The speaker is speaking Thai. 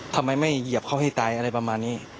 ทำไมไม่เหยียบเขาให้ตายอะไรประมาณนี้